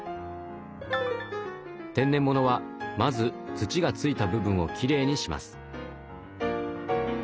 天然ものはまず土がついた部分をきれいにします。